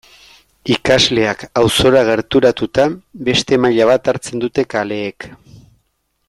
Ikasleak auzora gerturatuta beste maila bat hartzen dute kaleek.